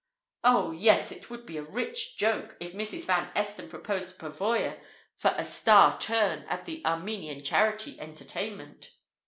Oh, yes, it would be a rich joke if Mrs. Van Esten proposed Pavoya for a "star turn" at the Armenian charity entertainment!